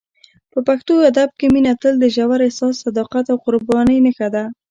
په پښتو ادب کې مینه تل د ژور احساس، صداقت او قربانۍ نښه ده.